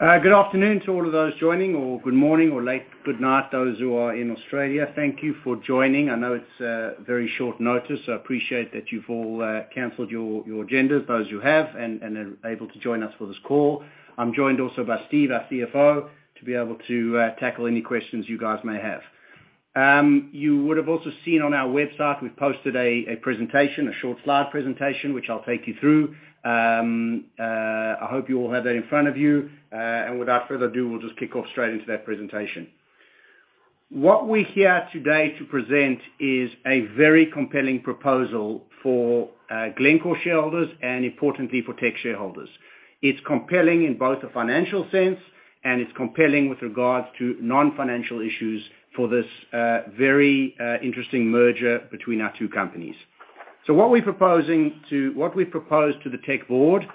Good afternoon to all of those joining, or good morning or late good night those who are in Australia. Thank you for joining. I know it's very short notice. I appreciate that you've all canceled your agendas, those who have, and are able to join us for this call. I'm joined also by Steve, our CFO, to be able to tackle any questions you guys may have. You would have also seen on our website we've posted a presentation, a short slide presentation, which I'll take you through. I hope you all have that in front of you. Without further ado, we'll just kick off straight into that presentation. What we're here today to present is a very compelling proposal for Glencore shareholders and importantly for Teck shareholders. It's compelling in both the financial sense, and it's compelling with regards to non-financial issues for this very interesting merger between our two companies. What we proposed to the Teck board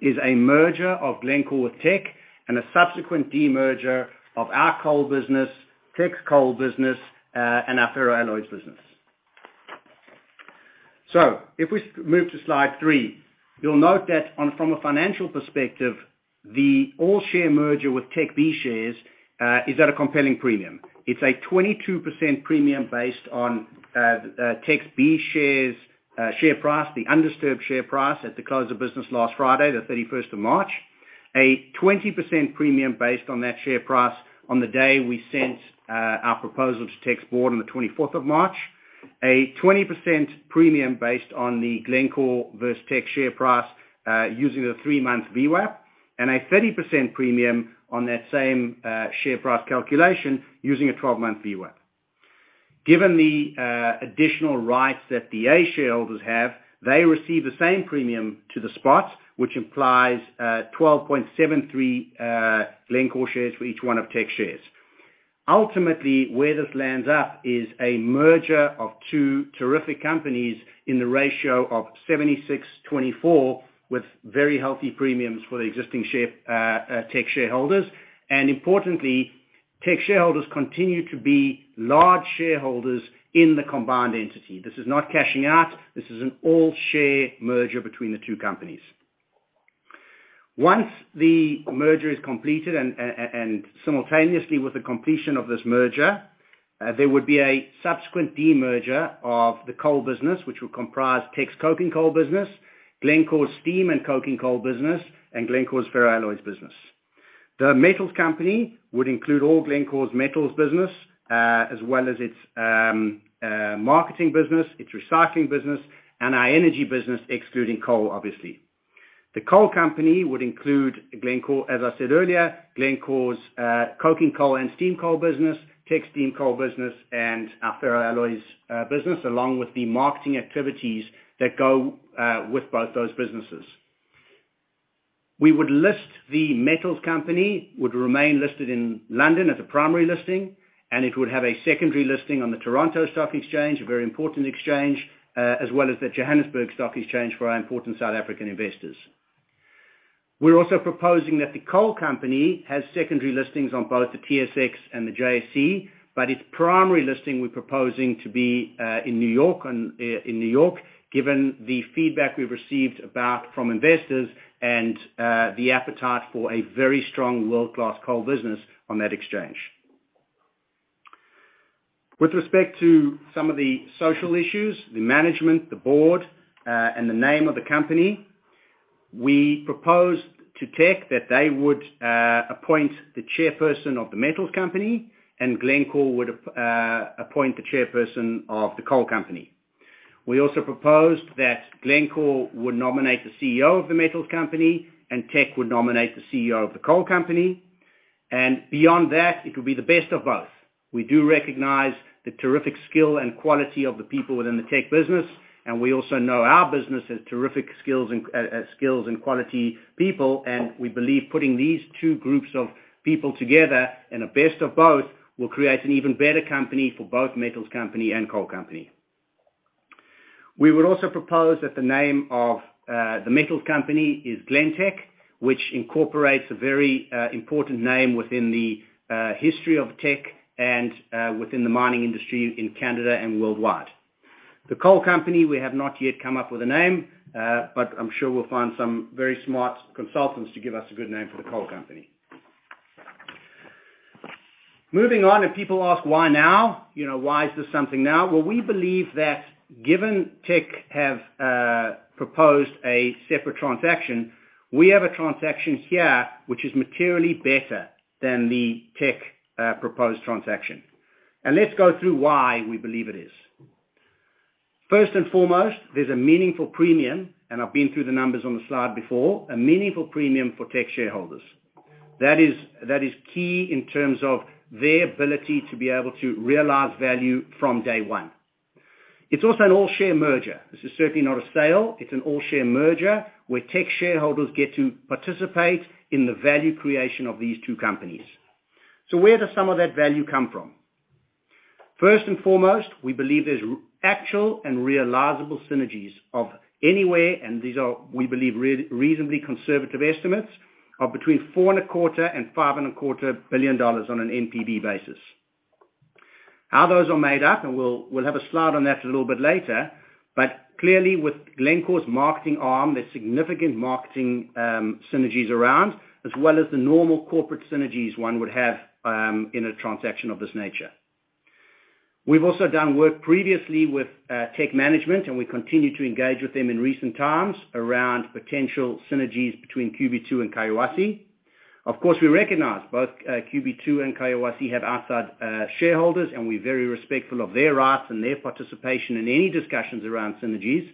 is a merger of Glencore with Teck and a subsequent demerger of our coal business, Teck's coal business, and our ferroalloys business. If we move to slide three, you'll note that on from a financial perspective, the all-share merger with Teck B shares is at a compelling premium. It's a 22% premium based on Teck's B shares share price, the undisturbed share price at the close of business last Friday, the March 31st. A 20% premium based on that share price on the day we sent our proposal to Teck's board on the March 24th. A 20% premium based on the Glencore versus Teck share price, using the three-month VWAP, and a 30% premium on that same share price calculation using a 12-month VWAP. Given the additional rights that the A shareholders have, they receive the same premium to the spot, which implies 12.73 Glencore shares for each one of Teck's shares. Ultimately, where this lands up is a merger of two terrific companies in the ratio of 76/24, with very healthy premiums for the existing share, Teck shareholders. Importantly, Teck shareholders continue to be large shareholders in the combined entity. This is not cashing out. This is an all-share merger between the two companies. Once the merger is completed and simultaneously with the completion of this merger, there would be a subsequent demerger of the coal business, which will comprise Teck's coking coal business, Glencore's steam and coking coal business, and Glencore's ferroalloys business. The metals company would include all Glencore's metals business, as well as its marketing business, its recycling business, and our energy business, excluding coal, obviously. The coal company would include Glencore, as I said earlier, Glencore's coking coal and steam coal business, Teck's steam coal business, and our ferroalloys business, along with the marketing activities that go with both those businesses. We would list the metals company, would remain listed in London as a primary listing. It would have a secondary listing on the Toronto Stock Exchange, a very important exchange, as well as the Johannesburg Stock Exchange for our important South African investors. We're also proposing that the coal company has secondary listings on both the TSX and the JSE, its primary listing we're proposing to be in New York, in New York, given the feedback we've received from investors and the appetite for a very strong world-class coal business on that exchange. With respect to some of the social issues, the management, the board, and the name of the company, we proposed to Teck that they would appoint the chairperson of the metals company, Glencore would appoint the chairperson of the coal company. We also proposed that Glencore would nominate the CEO of the metals company, and Teck would nominate the CEO of the coal company. Beyond that, it would be the best of both. We do recognize the terrific skill and quality of the people within the Teck business. We also know our business has terrific skills and quality people, and we believe putting these two groups of people together in the best of both will create an even better company for both metals company and coal company. We would also propose that the name of the metals company is Glentech, which incorporates a very important name within the history of Teck and within the mining industry in Canada and worldwide. The coal company, we have not yet come up with a name, but I'm sure we'll find some very smart consultants to give us a good name for the coal company. Moving on, people ask, why now? You know, why is this something now? Well, we believe that given Teck have proposed a separate transaction, we have a transaction here which is materially better than the Teck proposed transaction. Let's go through why we believe it is. First and foremost, there's a meaningful premium, and I've been through the numbers on the slide before, a meaningful premium for Teck shareholders. That is key in terms of their ability to be able to realize value from day one. It's also an all-share merger. This is certainly not a sale. It's an all-share merger where Teck shareholders get to participate in the value creation of these two companies. Where does some of that value come from? First and foremost, we believe there's actual and realizable synergies of anywhere, and these are, we believe, reasonably conservative estimates, of between $4.25 billion and $5.25 billion on an NPV basis. How those are made up, and we'll have a slide on that a little bit later. Clearly, with Glencore's marketing arm, there's significant marketing synergies around, as well as the normal corporate synergies one would have in a transaction of this nature. We've also done work previously with Teck management, and we continue to engage with them in recent times around potential synergies between QB2 and Collahuasi. Of course, we recognize both QB2 and Collahuasi have outside shareholders, and we're very respectful of their rights and their participation in any discussions around synergies.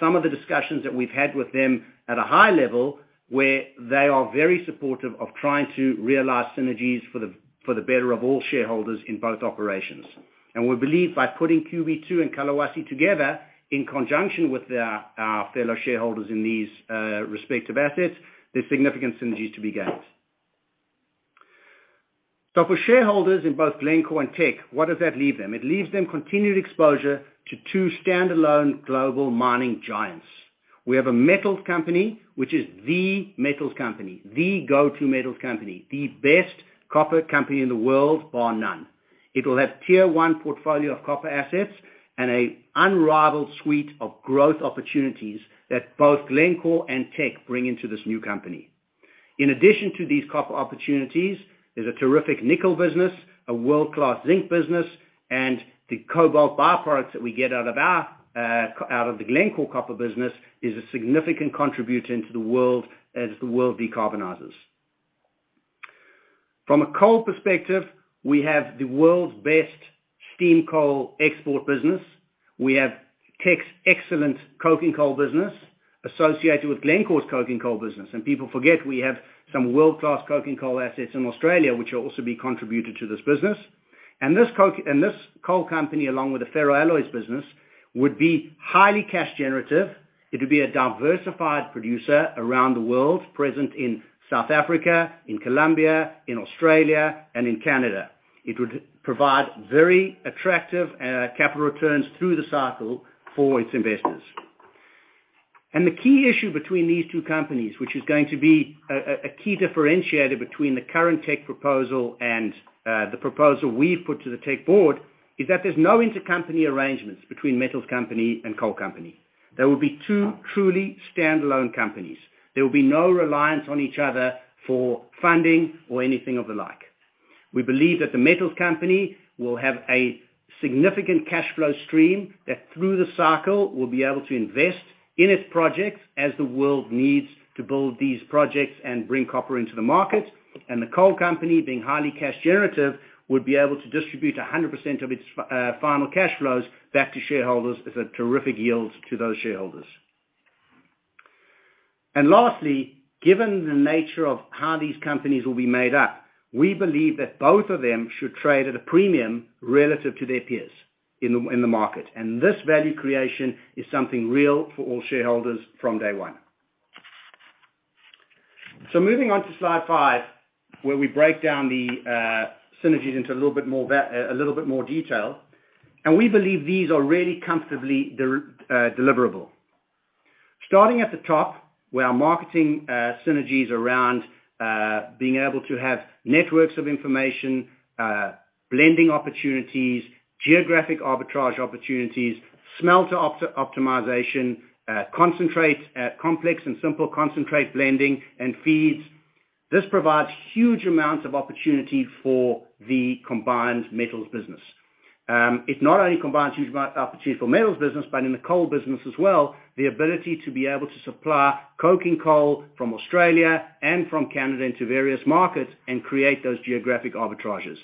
Some of the discussions that we've had with them at a high level, where they are very supportive of trying to realize synergies for the better of all shareholders in both operations. We believe by putting QB2 and Collahuasi together in conjunction with their fellow shareholders in these respective assets, there's significant synergies to be gained. For shareholders in both Glencore and Teck, what does that leave them? It leaves them continued exposure to two standalone global mining giants. We have a metals company, which is the metals company, the go-to metals company, the best copper company in the world, bar none. It'll have tier one portfolio of copper assets and an unrivaled suite of growth opportunities that both Glencore and Teck bring into this new company. In addition to these copper opportunities, there's a terrific nickel business, a world-class zinc business, and the cobalt byproducts that we get out of our out of the Glencore copper business is a significant contributor into the world as the world decarbonizes. From a coal perspective, we have the world's best steam coal export business. We have Teck's excellent coking coal business associated with Glencore's coking coal business, and people forget we have some world-class coking coal assets in Australia, which will also be contributed to this business. This coal company, along with the ferroalloys business, would be highly cash generative. It would be a diversified producer around the world, present in South Africa, in Colombia, in Australia, and in Canada. It would provide very attractive capital returns through the cycle for its investors. The key issue between these two companies, which is going to be a key differentiator between the current Teck proposal and the proposal we've put to the Teck board, is that there's no intercompany arrangements between metals company and coal company. There will be two truly standalone companies. There will be no reliance on each other for funding or anything of the like. We believe that the metals company will have a significant cash flow stream that, through the cycle, will be able to invest in its projects as the world needs to build these projects and bring copper into the market. The coal company, being highly cash generative, would be able to distribute 100% of its final cash flows back to shareholders as a terrific yield to those shareholders. Lastly, given the nature of how these companies will be made up, we believe that both of them should trade at a premium relative to their peers in the market. This value creation is something real for all shareholders from day one. Moving on to slide five, where we break down the synergies into a little bit more detail. We believe these are really comfortably deliverable. Starting at the top, where our marketing synergies around being able to have networks of information, blending opportunities, geographic arbitrage opportunities, smelter optimization, concentrate, complex and simple concentrate blending and feeds. This provides huge amounts of opportunity for the combined metals business. It not only combines huge amount opportunity for metals business, but in the coal business as well, the ability to be able to supply coking coal from Australia and from Canada into various markets and create those geographic arbitrages.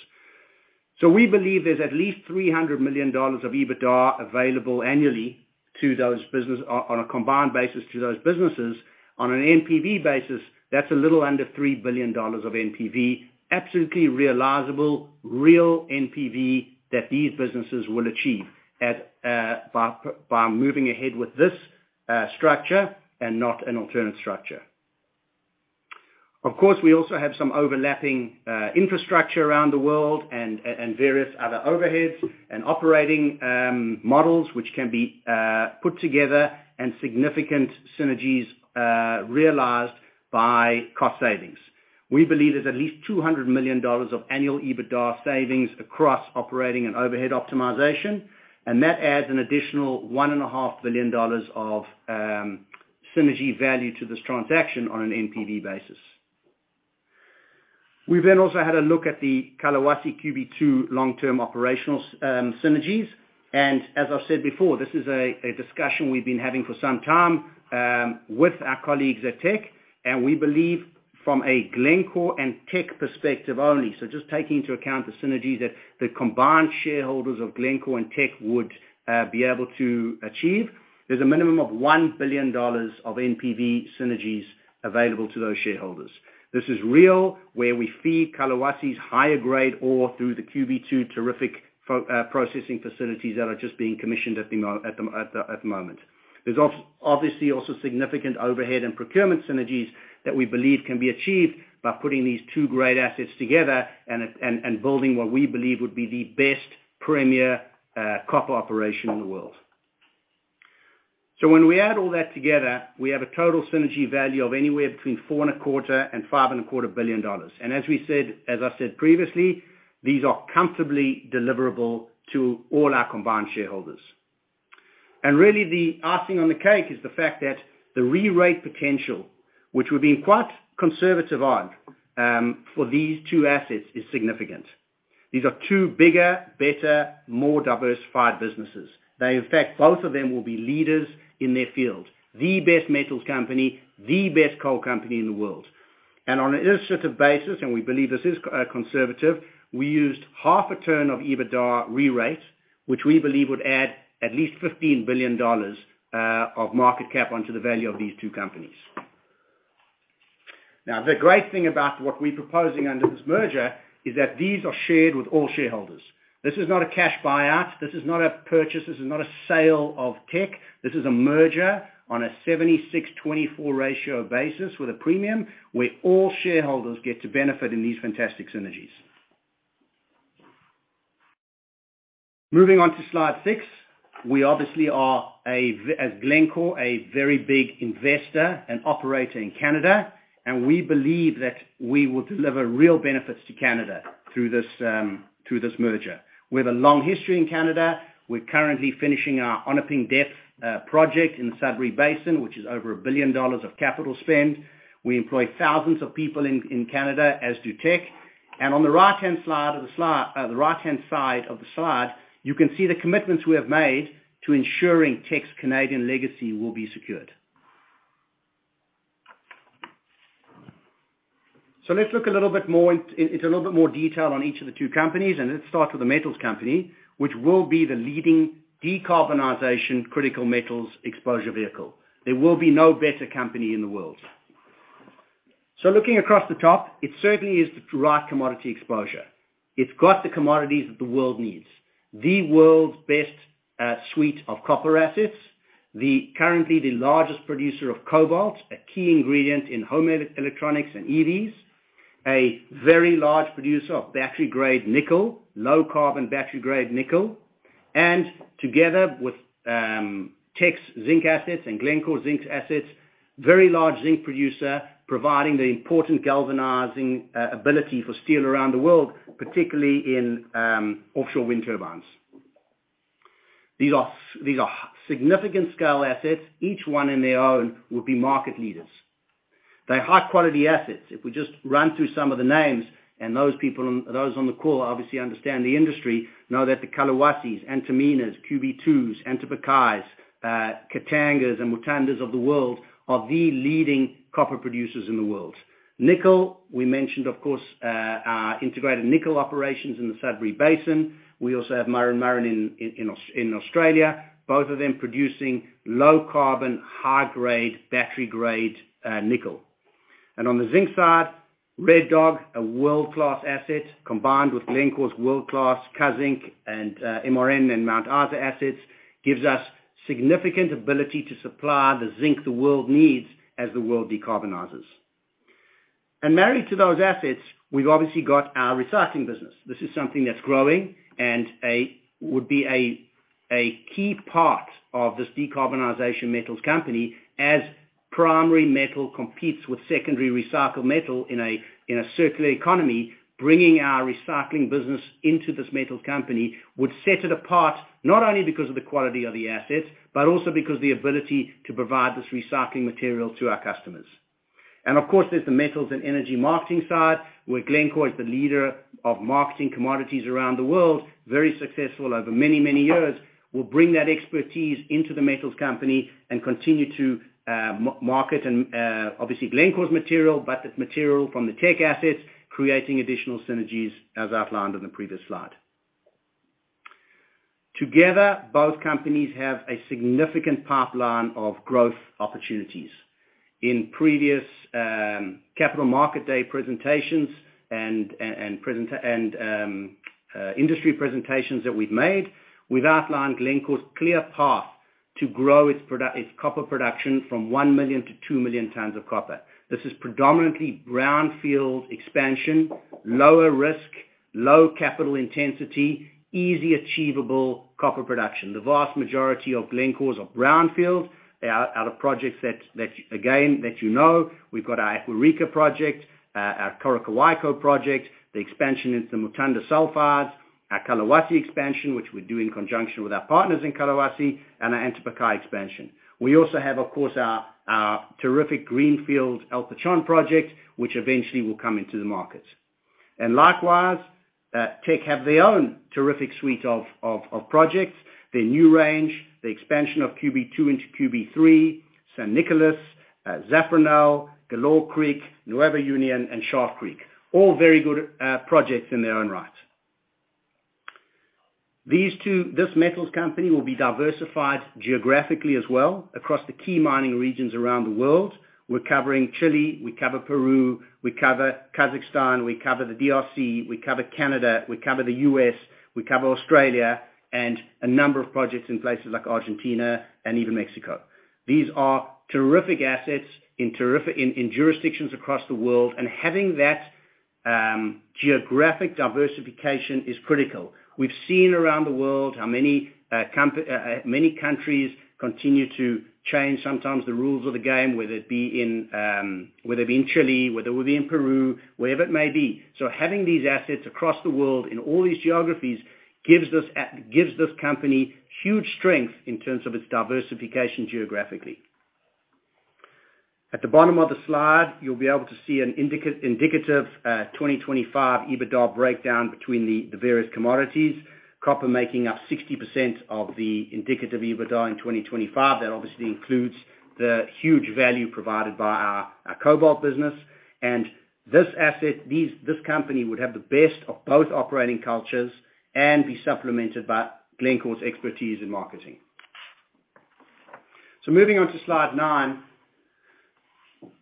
We believe there's at least $300 million of EBITDA available annually to those businesses on a combined basis to those businesses. On an NPV basis, that's a little under $3 billion of NPV, absolutely realizable real NPV that these businesses will achieve at by moving ahead with this structure and not an alternate structure. Of course, we also have some overlapping infrastructure around the world and various other overheads and operating models which can be put together and significant synergies realized by cost savings. We believe there's at least $200 million of annual EBITDA savings across operating and overhead optimization. That adds an additional $1.5 billion of synergy value to this transaction on an NPV basis. We also had a look at the Collahuasi QB2 long-term operational synergies. As I've said before, this is a discussion we've been having for some time with our colleagues at Teck. We believe from a Glencore and Teck perspective only, so just taking into account the synergies that the combined shareholders of Glencore and Teck would be able to achieve, there's a minimum of $1 billion of NPV synergies available to those shareholders. This is real where we feed Collahuasi's higher grade ore through the QB2 terrific processing facilities that are just being commissioned at the moment. There's obviously also significant overhead and procurement synergies that we believe can be achieved by putting these two great assets together and building what we believe would be the best premier copper operation in the world. When we add all that together, we have a total synergy value of anywhere between $4.25 billion and $5.25 billion. As I said previously, these are comfortably deliverable to all our combined shareholders. Really the icing on the cake is the fact that the re-rate potential, which we've been quite conservative on, for these two assets, is significant. These are two bigger, better, more diversified businesses. In fact, both of them will be leaders in their field, the best metals company, the best coal company in the world. On an illustrative basis, and we believe this is conservative, we used half a turn of EBITDA re-rate, which we believe would add at least $15 billion of market cap onto the value of these two companies. Now, the great thing about what we're proposing under this merger is that these are shared with all shareholders. This is not a cash buyout, this is not a purchase, this is not a sale of Teck. This is a merger on a 76/24 ratio basis with a premium where all shareholders get to benefit in these fantastic synergies. Moving on to slide six. We obviously are as Glencore, a very big investor and operator in Canada, and we believe that we will deliver real benefits to Canada through this, through this merger. We have a long history in Canada. We're currently finishing our Onaping Depth project in the Sudbury Basin, which is over $1 billion of capital spend. We employ thousands of people in Canada, as do Teck. On the right-hand slide of the right-hand side of the slide, you can see the commitments we have made to ensuring Teck's Canadian legacy will be secured. Let's look a little bit more into a little bit more detail on each of the two companies, and let's start with the metals company, which will be the leading decarbonization critical metals exposure vehicle. There will be no better company in the world. Looking across the top, it certainly is the right commodity exposure. It's got the commodities that the world needs. The world's best suite of copper assets, currently the largest producer of cobalt, a key ingredient in home electronics and EVs, a very large producer of battery-grade nickel, low-carbon battery-grade nickel. Together with Teck's zinc assets and Glencore's zinc assets, very large zinc producer providing the important galvanizing ability for steel around the world, particularly in offshore wind turbines. These are these are significant scale assets. Each one on their own will be market leaders. They're high-quality assets. If we just run through some of the names, and those on the call obviously understand the industry, know that the Collahuasis, Antamina, QB2, Antapaccay, Katanga, and Mutanda of the world are the leading copper producers in the world. Nickel, we mentioned, of course, our integrated nickel operations in the Sudbury Basin. We also have Murrin Murrin in Australia, both of them producing low carbon, high-grade, battery-grade, nickel. On the zinc side, Red Dog, a world-class asset, combined with Glencore's world-class Kazzinc and MRM and Mount Isa assets, gives us significant ability to supply the zinc the world needs as the world decarbonizes. Married to those assets, we've obviously got our recycling business. This is something that's growing and would be a key part of this decarbonization metals company as primary metal competes with secondary recycled metal in a circular economy, bringing our recycling business into this metals company would set it apart, not only because of the quality of the assets, but also because the ability to provide this recycling material to our customers. Of course, there's the metals and energy marketing side, where Glencore is the leader of marketing commodities around the world, very successful over many years. We'll bring that expertise into the metals company and continue to market and, obviously Glencore's material, but the material from the Teck assets, creating additional synergies, as outlined in the previous slide. Together, both companies have a significant pipeline of growth opportunities. In previous capital market day presentations and industry presentations that we've made, we've outlined Glencore's clear path to grow its copper production from 1 million tons-2 million tons of copper. This is predominantly brownfield expansion, lower risk, low capital intensity, easy achievable copper production. The vast majority of Glencore's are brownfield. They are out of projects that, again, that you know. We've got our Eureka project, our Coroccohuayco project, the expansion into Mutanda Sulfides, our Collahuasi expansion, which we do in conjunction with our partners in Collahuasi, and our Antapaccay expansion. We also have, of course, our terrific greenfield El Pachón project, which eventually will come into the market. Likewise, Teck have their own terrific suite of projects. The NewRange, the expansion of QB2 into QB3, San Nicolas, Zafranal, Galore Creek, Nueva Union, and Schaft Creek. All very good projects in their own right. This metals company will be diversified geographically as well across the key mining regions around the world. We're covering Chile, we cover Peru, we cover Kazakhstan, we cover the DRC, we cover Canada, we cover the US, we cover Australia, and a number of projects in places like Argentina and even Mexico. These are terrific assets in terrific in jurisdictions across the world, and having that geographic diversification is critical. We've seen around the world how many countries continue to change sometimes the rules of the game, whether it be in whether it be in Chile, whether it be in Peru, wherever it may be. Having these assets across the world in all these geographies gives this company huge strength in terms of its diversification geographically. At the bottom of the slide, you'll be able to see an indicative 2025 EBITDA breakdown between the various commodities. Copper making up 60% of the indicative EBITDA in 2025. That obviously includes the huge value provided by our cobalt business. This asset, this company would have the best of both operating cultures and be supplemented by Glencore's expertise in marketing. Moving on to slide nine,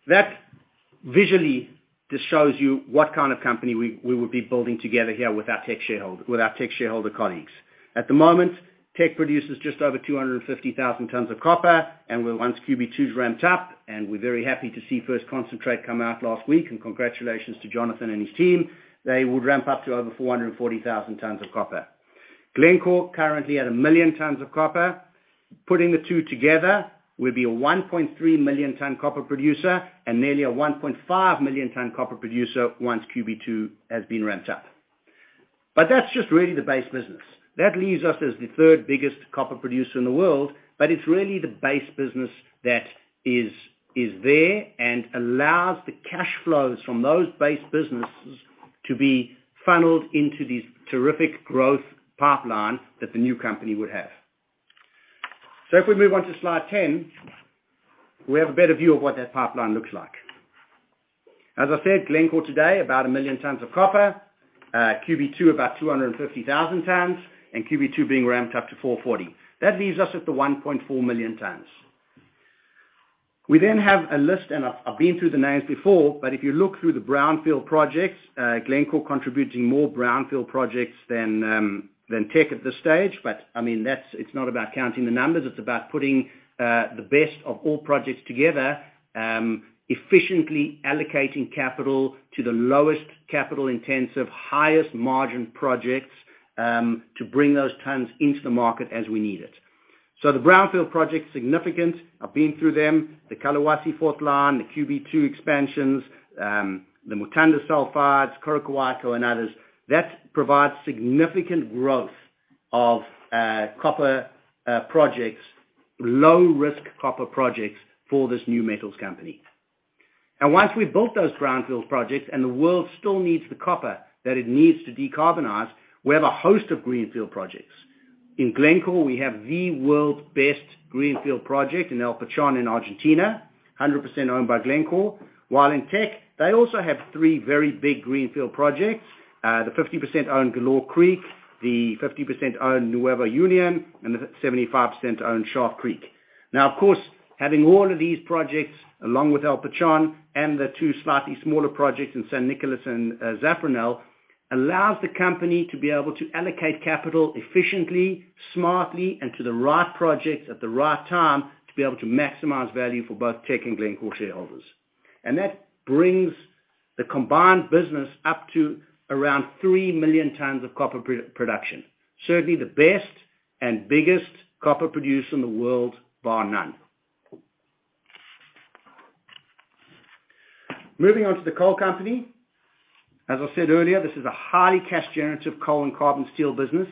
that visually just shows you what kind of company we would be building together here with our Teck shareholder colleagues. At the moment, Teck produces just over 250,000 tons of copper, once QB2 is ramped up, and we're very happy to see first concentrate come out last week, and congratulations to Jonathan and his team, they would ramp up to over 440,000 tons of copper. Glencore currently at 1 million tons of copper. Putting the two together will be a 1.3 million ton copper producer and nearly a 1.5 million ton copper producer once QB2 has been ramped up. That's just really the base business. That leaves us as the third biggest copper producer in the world, but it's really the base business that is there and allows the cash flows from those base businesses to be funneled into this terrific growth pipeline that the new company would have. If we move on to slide 10, we have a better view of what that pipeline looks like. As I said, Glencore today, about 1 million tons of copper, QB2, about 250,000 tons, and QB2 being ramped up to 440. That leaves us at the 1.4 million tons. We have a list, and I've been through the names before, but if you look through the brownfield projects, Glencore contributing more brownfield projects than Teck at this stage. I mean, it's not about counting the numbers, it's about putting the best of all projects together, efficiently allocating capital to the lowest capital intensive, highest margin projects, to bring those tons into the market as we need it. The brownfield project significant. I've been through them. The Kolwezi fourth line, the QB2 expansions, the Mutanda sulfides, Coroccohuayco and others, that provides significant growth of copper projects, low risk copper projects for this new metals company. Once we built those brownfield projects and the world still needs the copper that it needs to decarbonize, we have a host of greenfield projects. In Glencore, we have the world's best greenfield project in El Pachón in Argentina, 100% owned by Glencore. While in Teck, they also have three very big greenfield projects. The 50% owned Galore Creek, the 50% owned Nueva Union, and the 75% owned Schaft Creek. Now, of course, having all of these projects along with El Pachón and the two slightly smaller projects in San Nicolas and Zafranal now allows the company to be able to allocate capital efficiently, smartly, and to the right project at the right time to be able to maximize value for both Teck and Glencore shareholders. That brings the combined business up to around 3 million tons of copper production. Certainly the best and biggest copper producer in the world, bar none. Moving on to the coal company. As I said earlier, this is a highly cash generative coal and carbon steel business.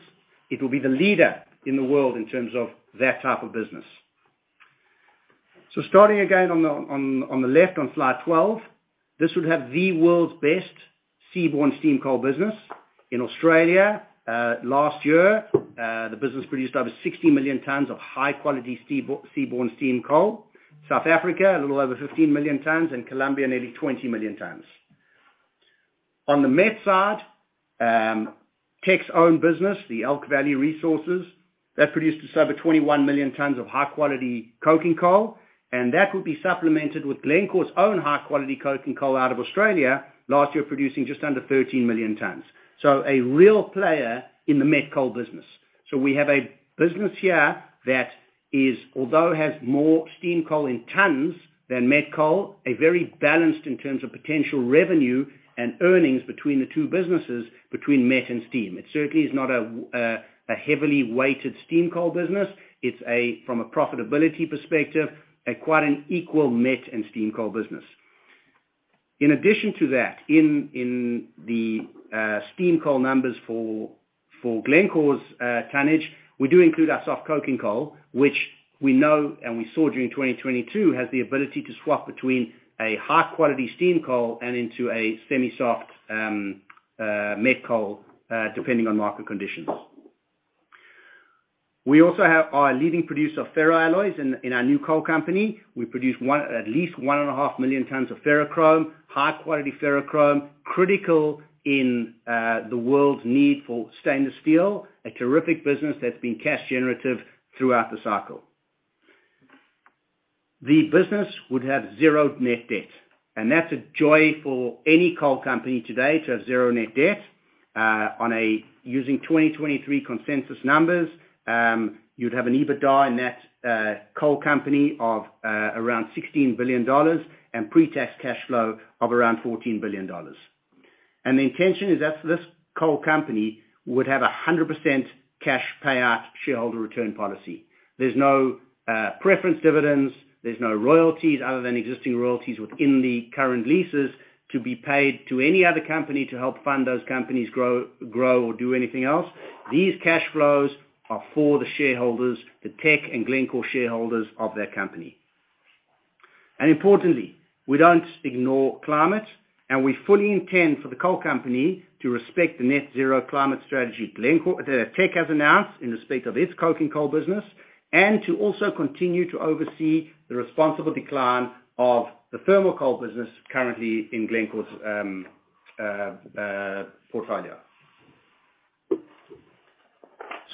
It will be the leader in the world in terms of that type of business. Starting again on the left on slide 12, this would have the world's best seaborne steam coal business. In Australia, last year, the business produced over 60 million tons of high-quality seaborne steam coal. South Africa, a little over 15 million tons, and Colombia, nearly 20 million tons. On the met side, Teck's own business, the Elk Valley Resources, that produced us over 21 million tons of high-quality coking coal, and that would be supplemented with Glencore's own high-quality coking coal out of Australia, last year producing just under 13 million tons. A real player in the met coal business. We have a business here that is, although has more steam coal in tons than met coal, a very balanced in terms of potential revenue and earnings between the two businesses, between met and steam. It certainly is not a heavily weighted steam coal business. It's a, from a profitability perspective, a quite an equal met and steam coal business. In addition to that, in the steam coal numbers for Glencore's tonnage, we do include our soft coking coal, which we know and we saw during 2022, has the ability to swap between a high-quality steam coal and into a semi-soft met coal, depending on market conditions. We also have our leading producer of ferroalloys in our new coal company. We produce at least 1.5 million tons of ferrochrome, high quality ferrochrome, critical in the world's need for stainless steel, a terrific business that's been cash generative throughout the cycle. The business would have zero net debt, and that's a joy for any coal company today to have zero net debt. Using 2023 consensus numbers, you'd have an EBITDA in that coal company of around $16 billion and pre-tax cash flow of around $14 billion. The intention is that this coal company would have a 100% cash payout shareholder return policy. There's no preference dividends, there's no royalties other than existing royalties within the current leases to be paid to any other company to help fund those companies grow or do anything else. These cash flows are for the shareholders, the Teck and Glencore shareholders of their company. Importantly, we don't ignore climate, and we fully intend for the coal company to respect the net zero climate strategy Glencore that Teck has announced in respect of its coking coal business, and to also continue to oversee the responsible decline of the thermal coal business currently in Glencore's portfolio.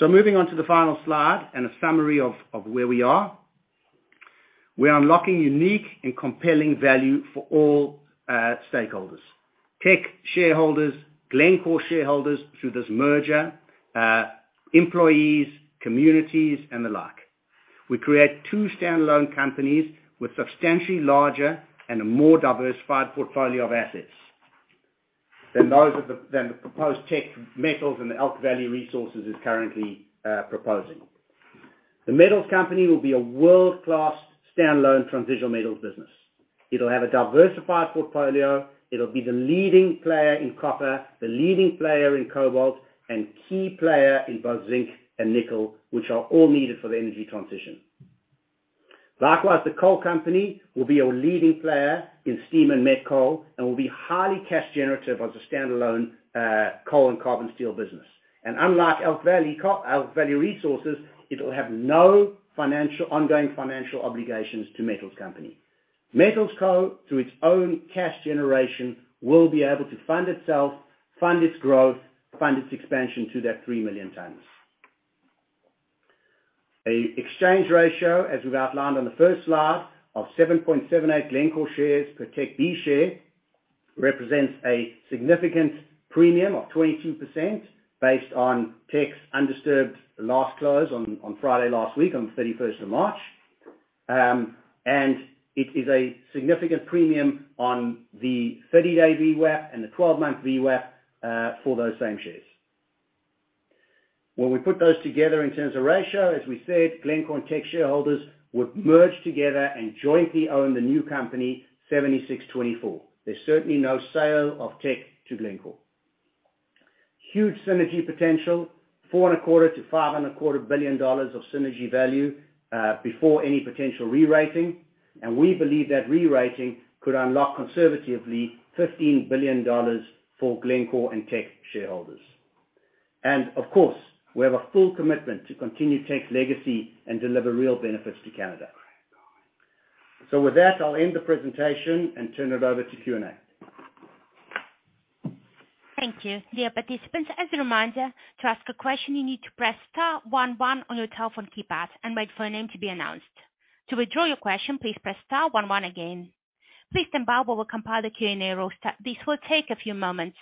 Moving on to the final slide and a summary of where we are. We're unlocking unique and compelling value for all stakeholders. Teck shareholders, Glencore shareholders through this merger, employees, communities and the like. We create two standalone companies with substantially larger and a more diversified portfolio of assets than those of the than the proposed Teck Metals and the Elk Valley Resources is currently proposing. The Metals Company will be a world-class standalone transitional metals business. It'll have a diversified portfolio. It'll be the leading player in copper, the leading player in cobalt, and key player in both zinc and nickel, which are all needed for the energy transition. Likewise, the coal company will be a leading player in steam and met coal and will be highly cash generative as a standalone coal and carbon steel business. Unlike Elk Valley Resources, it'll have no ongoing financial obligations to MetalsCo. MetalsCo, through its own cash generation, will be able to fund itself, fund its growth, fund its expansion to that 3 million tons. A exchange ratio, as we've outlined on the first slide, of 7.78 Glencore shares per Teck B share, represents a significant premium of 22% based on Teck's undisturbed last close on Friday last week, on the March 31st. It is a significant premium on the 30-day VWAP and the 12-month VWAP for those same shares. When we put those together in terms of ratio, as we said, Glencore and Teck shareholders would merge together and jointly own the new company, 76/24. There's certainly no sale of Teck to Glencore. Huge synergy potential, $4.25 billion-$5.25 billion of synergy value before any potential re-rating. We believe that re-rating could unlock conservatively $15 billion for Glencore and Teck shareholders. Of course, we have a full commitment to continue Teck's legacy and deliver real benefits to Canada. With that, I'll end the presentation and turn it over to Q&A. Thank you. Dear participants, as a reminder, to ask a question, you need to press star one one on your telephone keypad and wait for your name to be announced. To withdraw your question, please press star one one again. Please stand by while we compile the Q&A roster. This will take a few moments.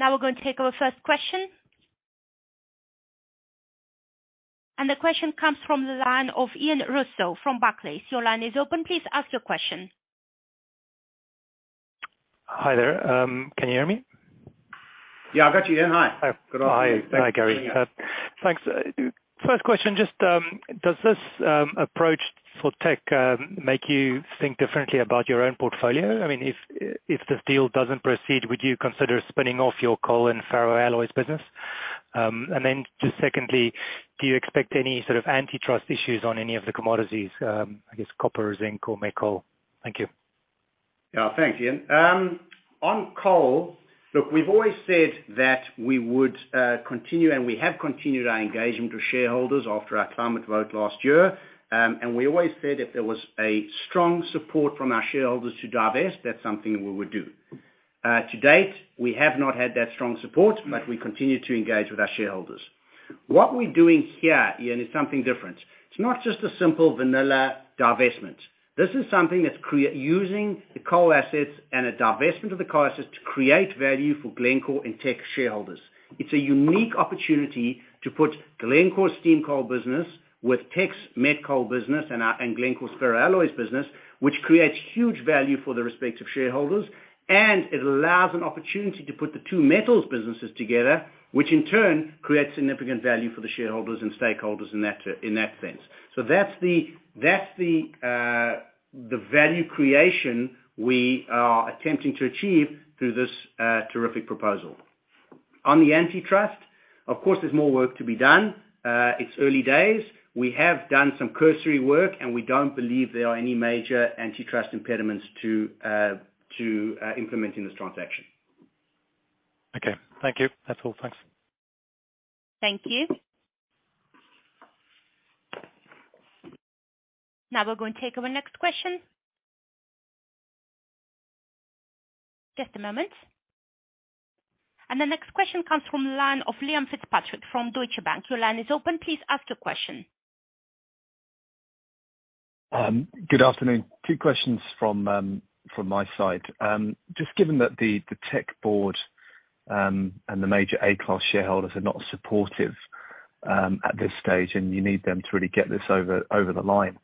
We're going to take our first question. The question comes from the line of Ian Rossouw from Barclays. Your line is open. Please ask your question. Hi there. Can you hear me? Yeah, I've got you, Ian. Hi. Hi. Good. How are you? Hi, Gary. Thanks. First question, just, does this approach for Teck make you think differently about your own portfolio? I mean, if the deal doesn't proceed, would you consider spinning off your coal and ferroalloy business? Secondly, do you expect any sort of antitrust issues on any of the commodities, I guess copper, zinc or met coal? Thank you. Yeah, thanks, Ian. On coal, look, we've always said that we would continue, and we have continued our engagement with shareholders after our climate vote last year. We always said if there was a strong support from our shareholders to divest, that's something we would do. To date, we have not had that strong support, but we continue to engage with our shareholders. What we're doing here, Ian, is something different. It's not just a simple vanilla divestment. This is something that's using the coal assets and a divestment of the coal assets to create value for Glencore and Teck shareholders. It's a unique opportunity to put Glencore's steam coal business with Teck's met coal business and Glencore's ferroalloys business, which creates huge value for the respective shareholders. It allows an opportunity to put the two metals businesses together, which in turn creates significant value for the shareholders and stakeholders in that sense. That's the value creation we are attempting to achieve through this terrific proposal. On the antitrust, of course, there's more work to be done. It's early days. We have done some cursory work, and we don't believe there are any major antitrust impediments to implementing this transaction. Okay. Thank you. That's all. Thanks. Thank you. Now we're going to take our next question. Just a moment. The next question comes from the line of Liam Fitzpatrick from Deutsche Bank. Your line is open. Please ask your question. Good afternoon. Two questions from my side. Just given that the Teck board, and the major A-class shareholders are not supportive at this stage, and you need them to really get this over the line,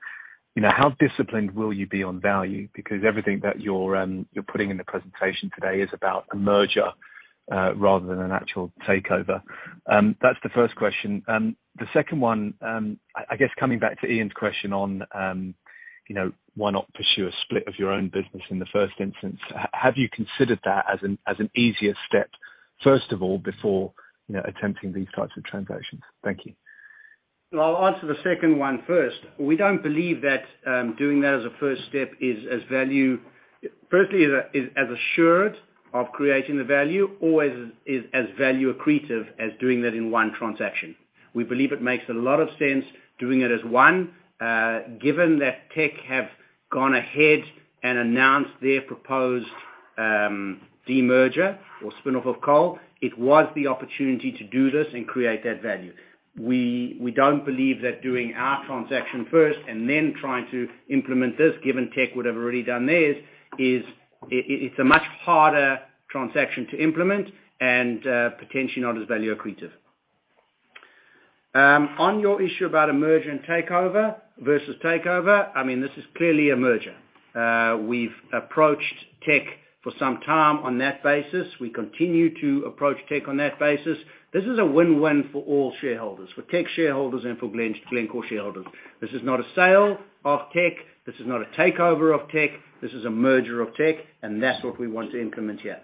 you know, how disciplined will you be on value? Because everything that you're putting in the presentation today is about a merger, rather than an actual takeover. That's the first question. The second one, I guess coming back to Ian's question on, you know, why not pursue a split of your own business in the first instance. Have you considered that as an easier step, first of all, before, you know, attempting these types of transactions? Thank you. I'll answer the second one first. We don't believe that doing that as a first step Firstly, is as assured of creating the value or is as value accretive as doing that in one transaction. We believe it makes a lot of sense doing it as one. Given that Teck have gone ahead and announced their proposed demerger or spin-off of coal, it was the opportunity to do this and create that value. We don't believe that doing our transaction first and then trying to implement this, given Teck would have already done theirs, it's a much harder transaction to implement and potentially not as value accretive. On your issue about a merger and takeover versus takeover, I mean, this is clearly a merger. We've approached Teck for some time on that basis. We continue to approach Teck on that basis. This is a win-win for all shareholders, for Teck shareholders and for Glencore shareholders. This is not a sale of Teck. This is not a takeover of Teck. This is a merger of Teck, and that's what we want to implement here.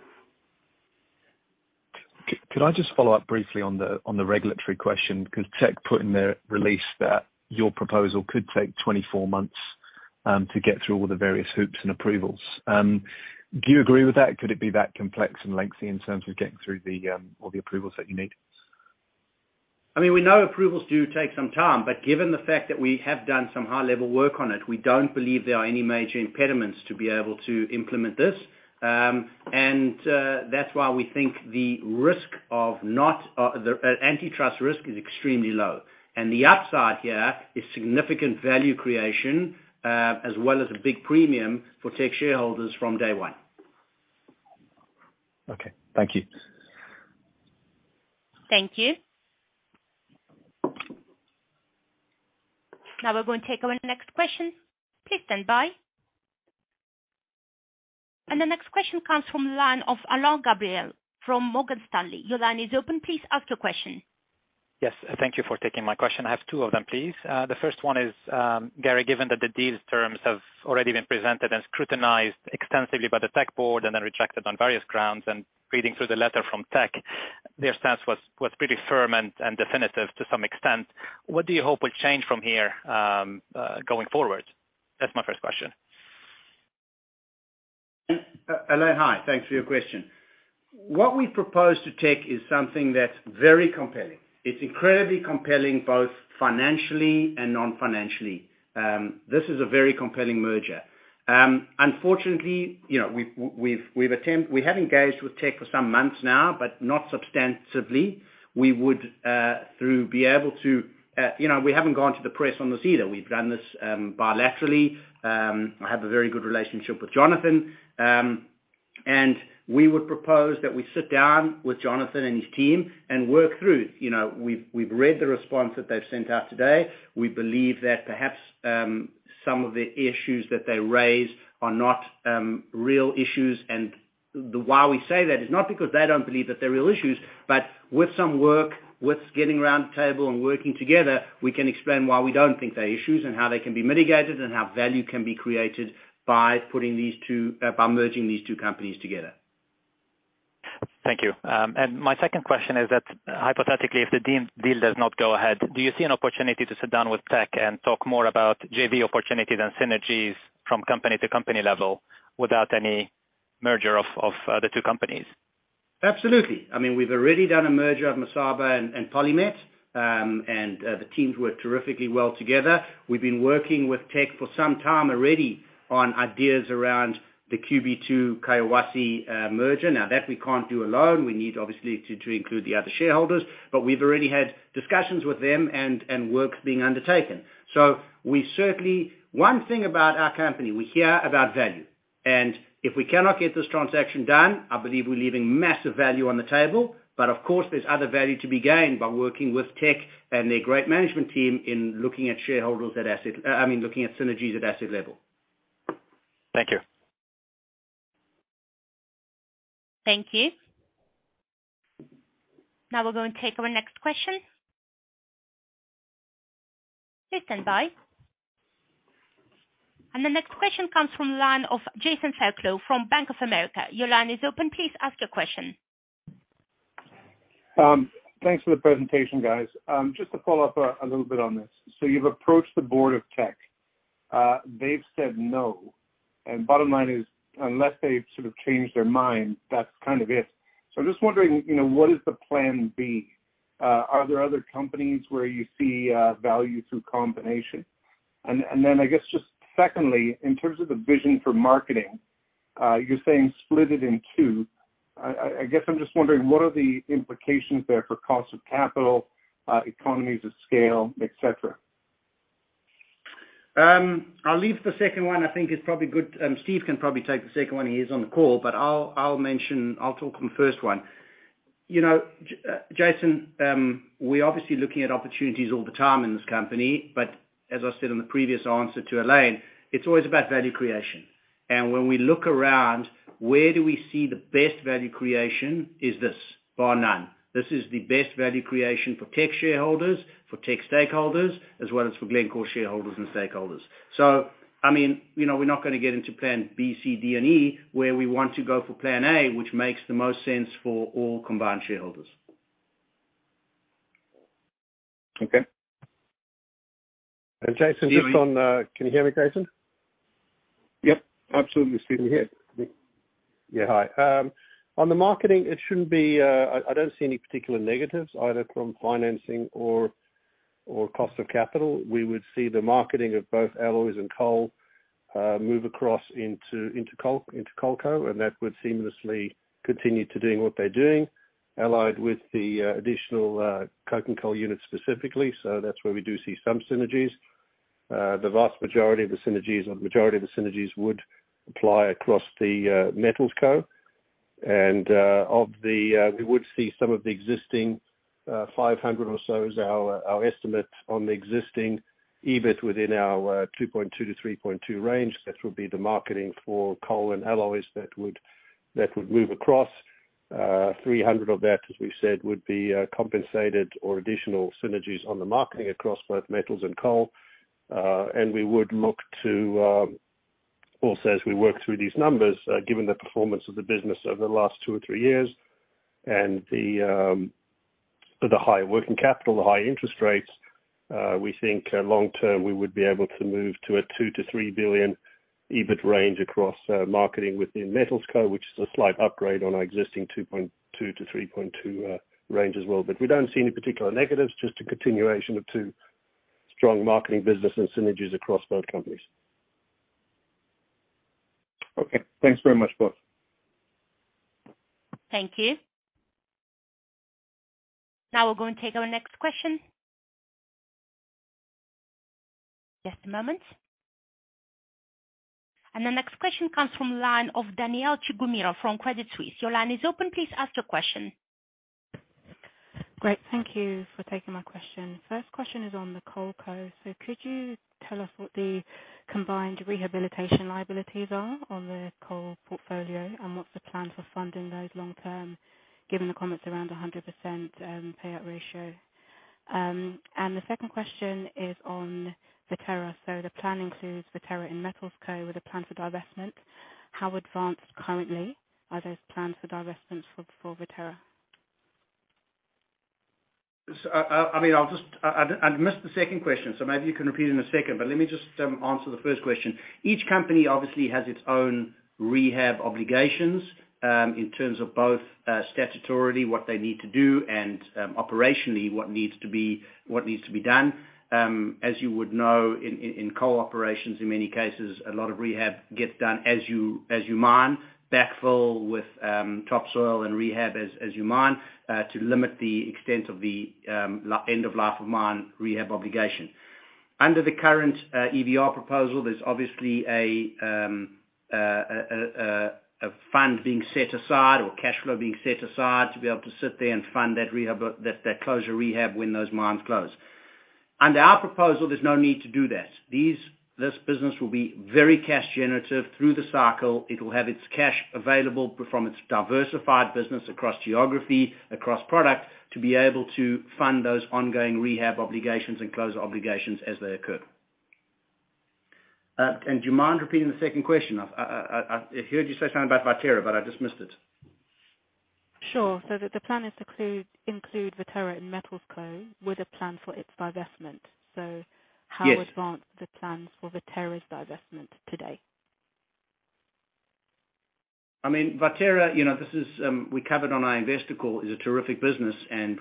Could I just follow up briefly on the, on the regulatory question? 'Cause Teck put in their release that your proposal could take 24 months to get through all the various hoops and approvals. Do you agree with that? Could it be that complex and lengthy in terms of getting through the all the approvals that you need? I mean, we know approvals do take some time, but given the fact that we have done some high-level work on it, we don't believe there are any major impediments to be able to implement this. That's why we think the risk of not the antitrust risk is extremely low. The upside here is significant value creation, as well as a big premium for Teck shareholders from day one. Okay. Thank you. Thank you. Now we're going to take our next question. Please stand by. The next question comes from the line of Alain Gabriel from Morgan Stanley. Your line is open. Please ask your question. Yes. Thank you for taking my question. I have two of them, please. The first one is, Gary, given that the deal's terms have already been presented and scrutinized extensively by the Teck board and then rejected on various grounds, and reading through the letter from Teck, their stance was pretty firm and definitive to some extent. What do you hope will change from here, going forward? That's my first question. Alain, hi. Thanks for your question. What we propose to Teck is something that's very compelling. It's incredibly compelling, both financially and non-financially. This is a very compelling merger. Unfortunately, you know, We have engaged with Teck for some months now, but not substantively. We would through be able to, you know, we haven't gone to the press on this either. We've done this bilaterally. I have a very good relationship with Jonathan. We would propose that we sit down with Jonathan and his team and work through. You know, We've read the response that they've sent out today. We believe that perhaps some of the issues that they raised are not real issues. The why we say that is not because they don't believe that they're real issues, but with some work, with getting around the table and working together, we can explain why we don't think they're issues and how they can be mitigated and how value can be created by putting these two, by merging these two companies together. Thank you. My second question is that hypothetically, if the deal does not go ahead, do you see an opportunity to sit down with Teck and talk more about JV opportunities and synergies from company to company level without any merger of the two companies? Absolutely. I mean, we've already done a merger of Mesaba and PolyMet, and the teams work terrifically well together. We've been working with Teck for some time already on ideas around the QB2/Collahuasi merger. Now that we can't do alone, we need obviously to include the other shareholders, but we've already had discussions with them and work being undertaken. We certainly... One thing about our company, we care about value. If we cannot get this transaction done, I believe we're leaving massive value on the table. Of course, there's other value to be gained by working with Teck and their great management team in looking at shareholders at asset, I mean, looking at synergies at asset level. Thank you. Thank you. Now we're gonna take our next question. Please stand by. The next question comes from the line of Jason Fairclough from Bank of America. Your line is open. Please ask your question. Thanks for the presentation, guys. just to follow up a little bit on this. You've approached the board of Teck. They've said no. Bottom line is, unless they sort of change their mind, that's kind of it. I'm just wondering, you know, what is the plan B? Are there other companies where you see value through combination? Then I guess just secondly, in terms of the vision for marketing, you're saying split it in two. I guess I'm just wondering, what are the implications there for cost of capital, economies of scale, et cetera? I'll leave the second one. I think it's probably good. Steve can probably take the second one. He is on the call. I'll talk on the first one. You know, Jason, we're obviously looking at opportunities all the time in this company. As I said in the previous answer to Alain, it's always about value creation. When we look around, where do we see the best value creation? Is this, bar none. This is the best value creation for Teck shareholders, for Teck stakeholders, as well as for Glencore shareholders and stakeholders. I mean, you know, we're not gonna get into plan B, C, D, and E where we want to go for plan A, which makes the most sense for all combined shareholders. Okay. Jason, just on. Steven. Can you hear me, Jason? Yep, absolutely, Steven. Yeah. Hi. On the marketing, it shouldn't be, I don't see any particular negatives either from financing or cost of capital. We would see the marketing of both alloys and coal move across into Coalco, that would seamlessly continue to doing what they're doing, allied with the additional coking coal unit specifically. That's where we do see some synergies. The majority of the synergies would apply across the MetalsCo. Of the, we would see some of the existing 500 or so is our estimate on the existing EBIT within our $2.2 billion-$3.2 billion range. That would be the marketing for coal and alloys that would move across. $300 million of that, as we said, would be compensated or additional synergies on the marketing across both metals and coal. We would look to also as we work through these numbers, given the performance of the business over the last two or three years and the high working capital, the high interest rates, we think long term, we would be able to move to a $2 billion-$3 billion EBIT range across marketing within MetalsCo, which is a slight upgrade on our existing $2.2 billion-$3.2 billion range as well. We don't see any particular negatives, just a continuation of two strong marketing business and synergies across both companies. Okay. Thanks very much, both. Thank you. Now we'll go and take our next question. Just a moment. The next question comes from line of Danielle Chigumira from Credit Suisse. Your line is open. Please ask your question. Great. Thank you for taking my question. First question is on the CoalCo. Could you tell us what the combined rehabilitation liabilities are on the coal portfolio, and what's the plan for funding those long term, given the comments around a 100% payout ratio? The second question is on Viterra. The plan includes Viterra and MetalsCo with a plan for divestment. How advanced currently are those plans for divestment for Viterra? I mean, I'll just. I missed the second question, so maybe you can repeat it in a second. Let me just answer the first question. Each company obviously has its own rehab obligations, in terms of both statutorily, what they need to do, and operationally, what needs to be done. As you would know, in coal operations, in many cases, a lot of rehab gets done as you mine, backfill with topsoil and rehab as you mine, to limit the extent of the end of life of mine rehab obligation. Under the current EVR proposal, there's obviously a fund being set aside or cash flow being set aside to be able to sit there and fund that closure rehab when those mines close. Under our proposal, there's no need to do that. This business will be very cash generative through the cycle. It'll have its cash available from its diversified business across geography, across product, to be able to fund those ongoing rehab obligations and close obligations as they occur. Do you mind repeating the second question? I heard you say something about Viterra, but I just missed it. Sure. The plan is to include Viterra and MetalsCo with a plan for its divestment. Yes. How advanced are the plans for Viterra's divestment today? I mean, Viterra, you know, this is, we covered on our investor call, is a terrific business.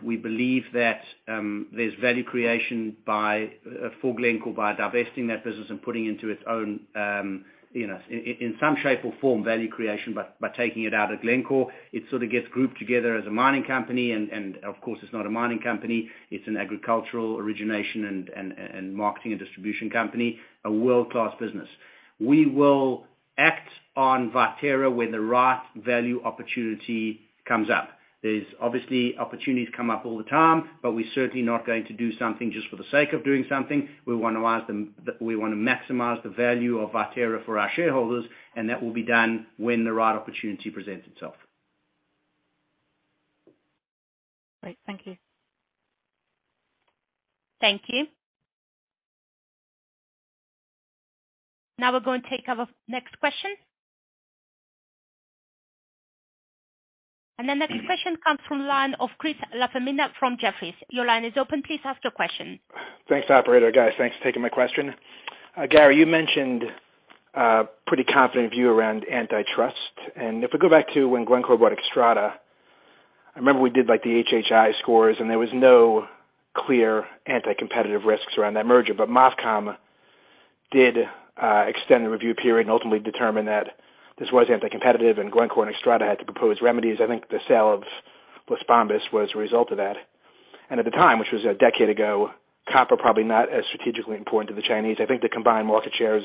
We believe that there's value creation for Glencore by divesting that business and putting into its own, you know, in some shape or form, value creation by taking it out of Glencore. It sort of gets grouped together as a mining company and of course, it's not a mining company. It's an agricultural origination and marketing and distribution company, a world-class business. We will act on Viterra when the right value opportunity comes up. There's obviously opportunities come up all the time. We're certainly not going to do something just for the sake of doing something. We wanna maximize the value of Viterra for our shareholders, and that will be done when the right opportunity presents itself. Great. Thank you. Thank you. Now we'll go and take our next question. The next question comes from line of Chris LaFemina from Jefferies. Your line is open. Please ask your question. Thanks, operator. Guys, thanks for taking my question. Gary, you mentioned a pretty confident view around antitrust. If we go back to when Glencore bought Xstrata. I remember we did like the HHI scores and there was no clear anti-competitive risks around that merger. MOFCOM did extend the review period and ultimately determine that this was anti-competitive and Glencore and Xstrata had to propose remedies. I think the sale of Las Bambas was a result of that. At the time, which was a decade ago, copper probably not as strategically important to the Chinese. I think the combined market shares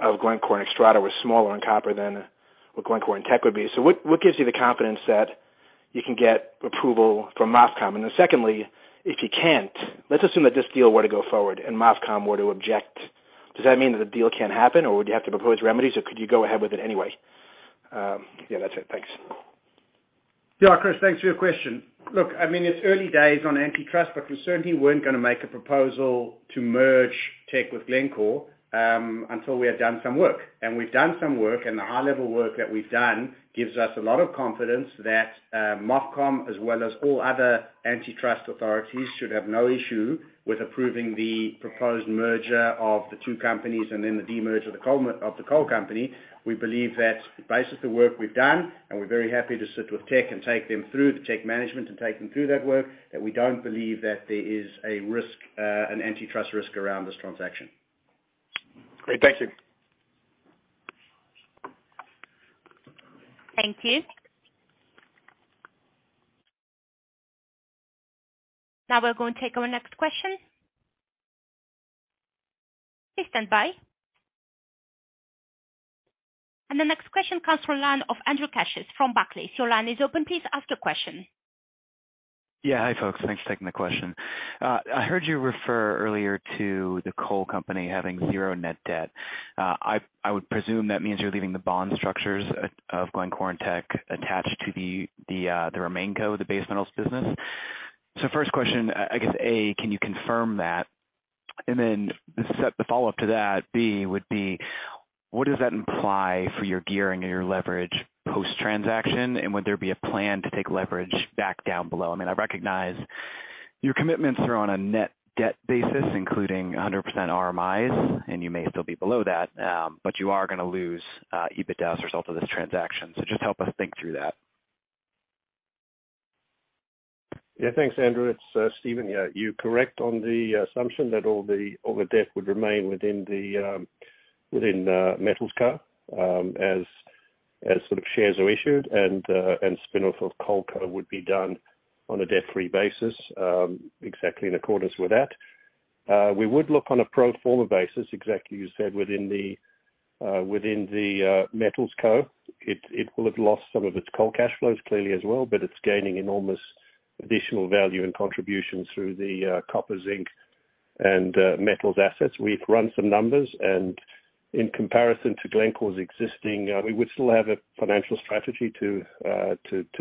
of Glencore and Xstrata was smaller in copper than what Glencore and Teck would be. What gives you the confidence that you can get approval from MOFCOM? Secondly, if you can't, let's assume that this deal were to go forward and MOFCOM were to object, does that mean that the deal can't happen or would you have to propose remedies or could you go ahead with it anyway? Yeah, that's it. Thanks. Yeah, Chris, thanks for your question. Look, I mean, it's early days on antitrust, but we certainly weren't gonna make a proposal to merge Teck with Glencore, until we had done some work. We've done some work, the high level work that we've done gives us a lot of confidence that, MOFCOM as well as all other antitrust authorities should have no issue with approving the proposed merger of the two companies and then the de-merge of the coal company. We believe that the basis of the work we've done, and we're very happy to sit with Teck and take them through the Teck management and take them through that work, that we don't believe that there is a risk, an antitrust risk around this transaction. Great. Thank you. Thank you. Now we're going to take our next question. Please stand by. The next question comes from the line of Andrew Keches from Barclays. Your line is open. Please ask your question. Yeah. Hi, folks. Thanks for taking the question. I heard you refer earlier to the coal company having zero net debt. I would presume that means you're leaving the bond structures of Glencore and Teck attached to the remain co, the base metals business. First question, I guess, A, can you confirm that? Then the follow-up to that, B, would be, what does that imply for your gearing and your leverage post-transaction? Would there be a plan to take leverage back down below? I mean, I recognize your commitments are on a net debt basis, including 100% RMIs, and you may still be below that, but you are gonna lose EBITDA as a result of this transaction. Just help us think through that. Yeah. Thanks, Andrew. It's Steven. Yeah, you're correct on the assumption that all the debt would remain within the MetalsCo, as sort of shares are issued and spinoff of CoalCo would be done on a debt-free basis, exactly in accordance with that. We would look on a pro forma basis, exactly as you said, within the MetalsCo. It will have lost some of its coal cash flows clearly as well, but it's gaining enormous additional value and contribution through the copper, zinc and metals assets. We've run some numbers. In comparison to Glencore's existing, we would still have a financial strategy to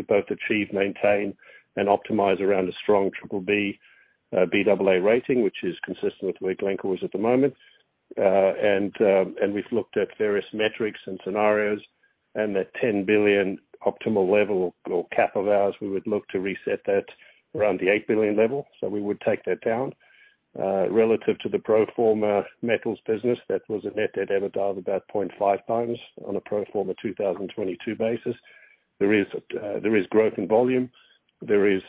both achieve, maintain and optimize around a strong BBB/Baa1 rating, which is consistent with where Glencore is at the moment. We've looked at various metrics and scenarios and that $10 billion optimal level or cap of ours, we would look to reset that around the $8 billion level. We would take that down. Relative to the pro forma metals business, that was a net debt EBITDA of about 0.5x on a pro forma 2022 basis. There is growth in volume. There is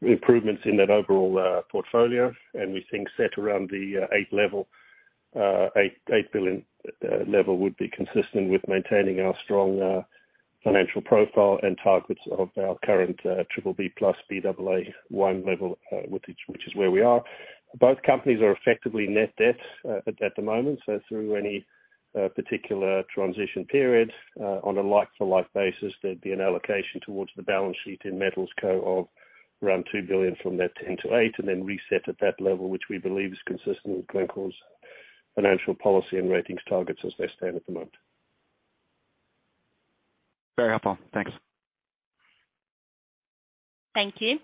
improvements in that overall portfolio, and we think set around the eight level, $8 billion level would be consistent with maintaining our strong financial profile and targets of our current BBB+/Baa1 level, which is where we are. Both companies are effectively net debt at the moment. Through any particular transition period, on a like for like basis, there'd be an allocation towards the balance sheet in MetalsCo of around $2 billion from that $10 billion to $8 billion and then reset at that level, which we believe is consistent with Glencore's financial policy and ratings targets as they stand at the moment. Very helpful. Thanks. Thank you.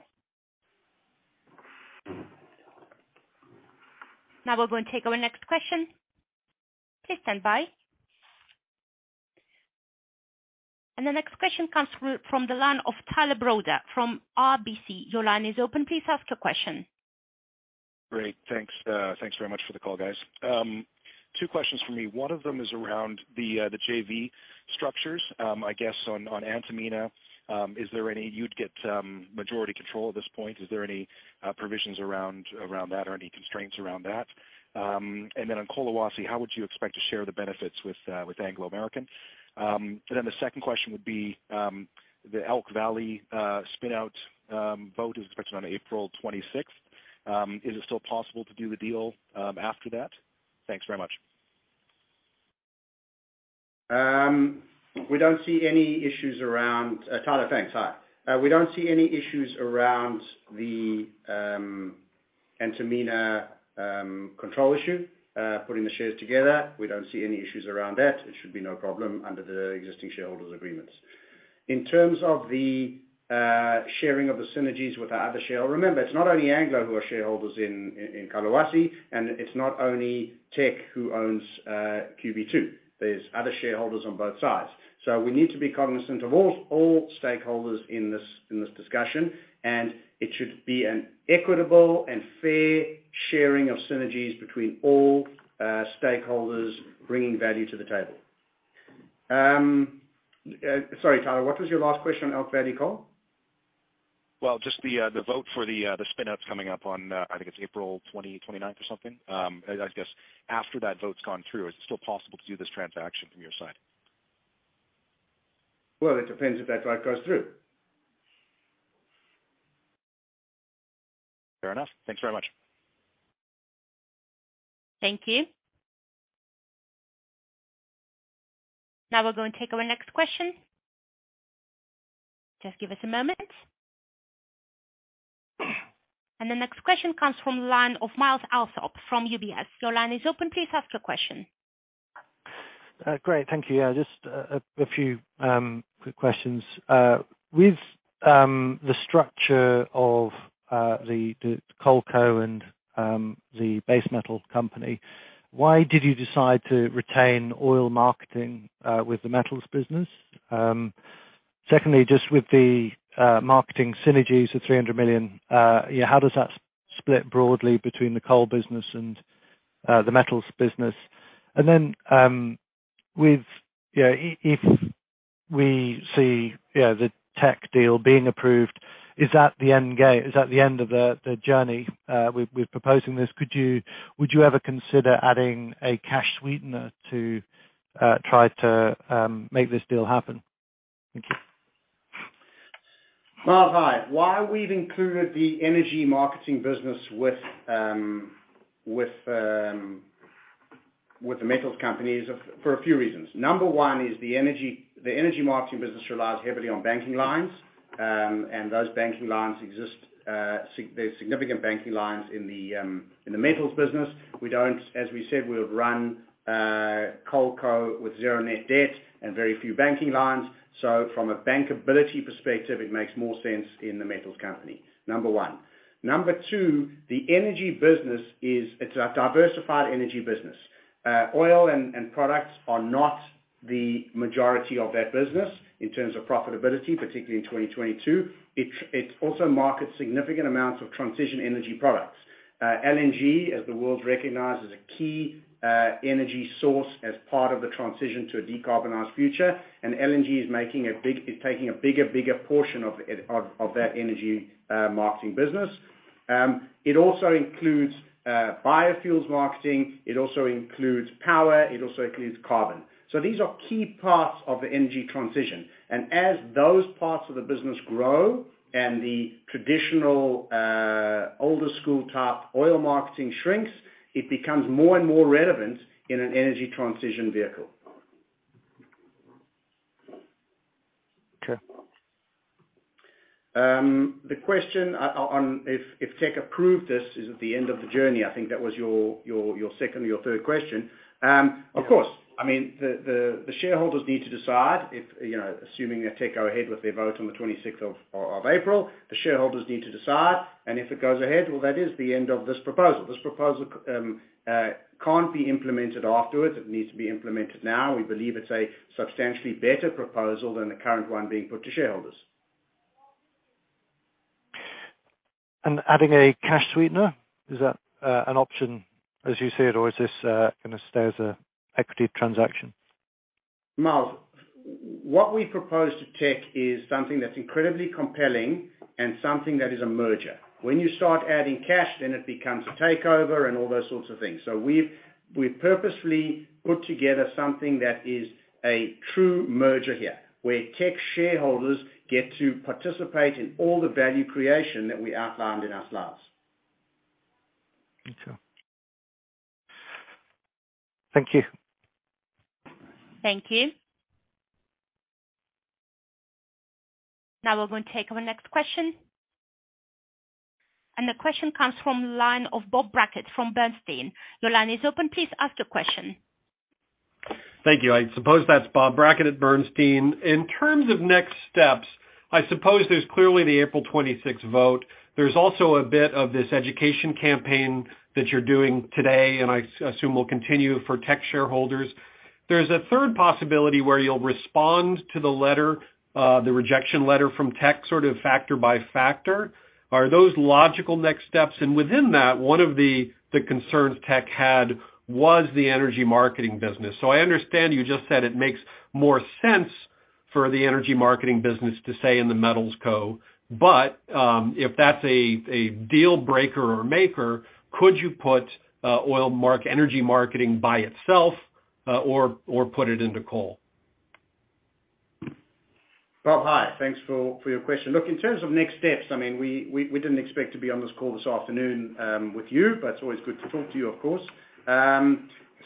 Now we're going to take our next question. Please stand by. The next question comes from the line of Tyler Broda from RBC. Your line is open. Please ask your question. Great. Thanks. Thanks very much for the call, guys. Two questions from me. One of them is around the JV structures. I guess on Antamina, you'd get majority control at this point, is there any provisions around that or any constraints around that? On Collahuasi, how would you expect to share the benefits with Anglo American? The second question would be the Elk Valley spinout vote is expected on April 26th. Is it still possible to do the deal after that? Thanks very much. Tyler, thanks. Hi. We don't see any issues around the Antamina control issue. Putting the shares together, we don't see any issues around that. It should be no problem under the existing shareholders agreements. In terms of the sharing of the synergies with our other. Remember, it's not only Anglo who are shareholders in Collahuasi, and it's not only Teck who owns QB2. There's other shareholders on both sides. We need to be cognizant of all stakeholders in this discussion, and it should be an equitable and fair sharing of synergies between all stakeholders bringing value to the table. Sorry, Tyler, what was your last question on Elk Valley Coal? Well, just the vote for the spin-out's coming up on, I think it's April 29th or something. I guess after that vote's gone through, is it still possible to do this transaction from your side? Well, it depends if that vote goes through. Fair enough. Thanks very much. Thank you. Now we'll go and take our next question. Just give us a moment. The next question comes from the line of Myles Allsop from UBS. Your line is open, please ask your question. Great. Thank you. Yeah, just a few quick questions. With the structure of the CoalCo and the base metal company, why did you decide to retain oil marketing with the metals business? Secondly, just with the marketing synergies of $300 million, how does that split broadly between the coal business and the metals business? Then, with, you know, if we see, you know, the Teck deal being approved, is that the end game? Is that the end of the journey with proposing this? Would you ever consider adding a cash sweetener to try to make this deal happen? Thank you. Myles, hi. Why we've included the energy marketing business with the metals company is for a few reasons. Number one is the energy marketing business relies heavily on banking lines, and those banking lines exist, there's significant banking lines in the metals business. As we said, we'll run CoalCo with zero net debt and very few banking lines. From a bankability perspective, it makes more sense in the metals company. Number one. Number two, the energy business is it's a diversified energy business. Oil and products are not the majority of that business in terms of profitability, particularly in 2022. It also markets significant amounts of transition energy products. LNG, as the world recognizes, a key energy source as part of the transition to a decarbonized future, LNG is taking a bigger portion of it, of that energy marketing business. It also includes biofuels marketing. It also includes power. It also includes carbon. These are key parts of the energy transition. As those parts of the business grow and the traditional older school type oil marketing shrinks, it becomes more and more relevant in an energy transition vehicle. Okay. The question on if Teck approved this, is it the end of the journey? I think that was your second or your third question. Of course. I mean, the shareholders need to decide if, you know, assuming that Teck go ahead with their vote on the April 26th, the shareholders need to decide. If it goes ahead, well, that is the end of this proposal. This proposal can't be implemented afterwards. It needs to be implemented now. We believe it's a substantially better proposal than the current one being put to shareholders. Adding a cash sweetener, is that an option as you see it, or is this gonna stay as a equity transaction? Myles, what we propose to Teck is something that's incredibly compelling and something that is a merger. When you start adding cash, then it becomes a takeover and all those sorts of things. We've purposefully put together something that is a true merger here, where Teck shareholders get to participate in all the value creation that we outlined in our slides. Great. Thank you. Thank you. Now we're going to take our next question. The question comes from the line of Bob Brackett from Bernstein. Your line is open. Please ask your question. Thank you. I suppose that's Bob Brackett at Bernstein. In terms of next steps, I suppose there's clearly the April 26th vote. There's also a bit of this education campaign that you're doing today, and I assume will continue for Teck shareholders. There's a third possibility where you'll respond to the letter, the rejection letter from Teck, sort of factor by factor. Are those logical next steps? Within that, one of the concerns Teck had was the energy marketing business. I understand you just said it makes more sense for the energy marketing business to stay in the MetalsCo. If that's a deal breaker or maker, could you put energy marketing by itself, or put it into CoalCo? Bob, hi. Thanks for your question. In terms of next steps, I mean, we didn't expect to be on this call this afternoon with you, but it's always good to talk to you, of course.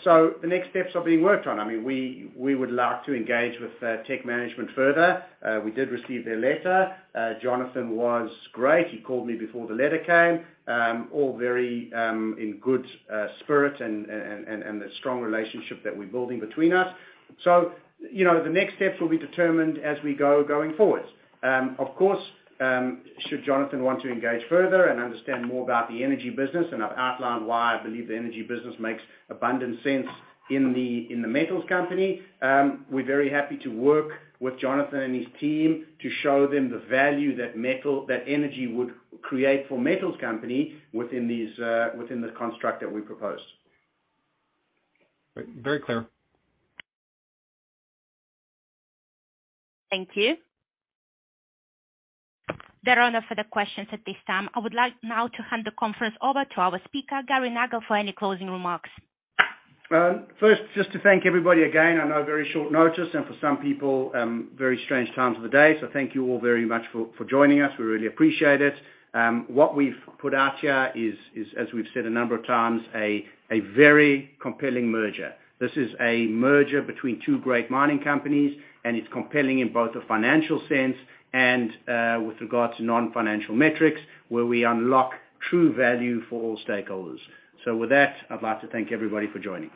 The next steps are being worked on. I mean, we would like to engage with Teck management further. We did receive their letter. Jonathan was great. He called me before the letter came. All very in good spirit and the strong relationship that we're building between us. You know, the next steps will be determined as we go going forward. Of course, should Jonathan want to engage further and understand more about the energy business, and I've outlined why I believe the energy business makes abundant sense in the metals company, we're very happy to work with Jonathan and his team to show them the value that energy would create for metals company within these, within the construct that we proposed. Very clear. Thank you. There are no further questions at this time. I would like now to hand the conference over to our speaker, Gary Nagle, for any closing remarks. First, just to thank everybody again. I know very short notice, and for some people, very strange times of the day. Thank you all very much for joining us. We really appreciate it. What we've put out here is as we've said a number of times, a very compelling merger. This is a merger between two great mining companies, and it's compelling in both a financial sense and with regard to non-financial metrics, where we unlock true value for all stakeholders. With that, I'd like to thank everybody for joining.